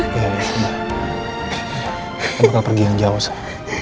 kita bakal pergi yang jauh sar